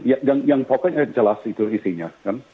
yang pokoknya jelas itu isinya